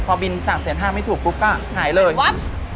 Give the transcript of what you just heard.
พอบิน๓๕๐๐๐๐๐ไม่ถูกก็หายเลยหายว๊าบ